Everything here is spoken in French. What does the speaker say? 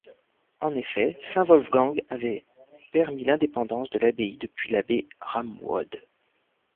En effet, saint Wolfgang avait permis l'indépendance de l'abbaye depuis l'abbé Ramwod.